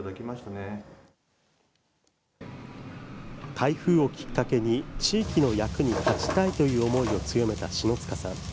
台風をきっかけに地域の役に立ちたいという思いを強めた篠塚さん。